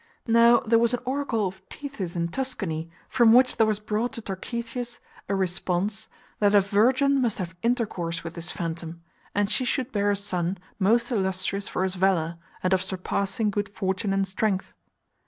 Now there was an oracle of Tethys in Tuscany, from which there was brought to Tarchetius a response that a virgin must have inter course with this phantom, and she should bear a son most illustrious for his valour, and of surpassing good fortune and strength.